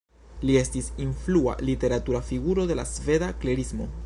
Li estis influa literatura figuro de la sveda Klerismo.